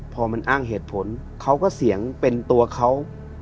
พอมันอ้างเหตุผลเขาก็เสียงเป็นตัวเขา